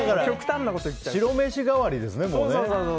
白飯代わりですね。